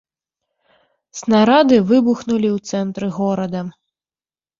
Снарады выбухнулі ў цэнтры горада.